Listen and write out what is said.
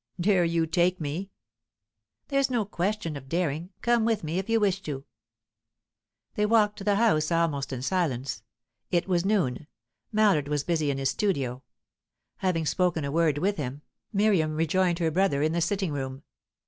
"Dare you take me?" "There's no question of daring. Come with me, if you wish to." They walked to the house almost in silence. It was noon; Mallard was busy in his studio. Having spoken a word with him, Miriam rejoined her brother in the sitting room.